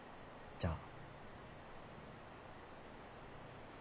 じゃあ。